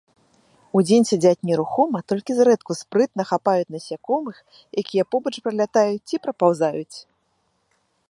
Удзень сядзяць нерухома, толькі зрэдку спрытна хапаюць насякомых, якія побач пралятаюць ці прапаўзаюць.